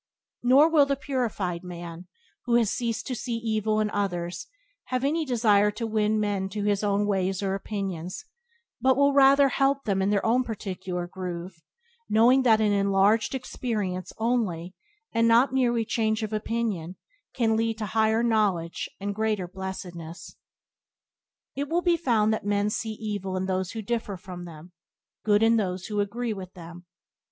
Nor will the purified man, who has ceased to see evil in others, have any desire to win men to his own ways or opinions, but will rather help them in their own particular groove, knowing that an enlarged experience only, and not merely change of opinion can lead to higher knowledge and greater blessedness. It will be found that men see evil in those who differ from them, good in those who agree with them.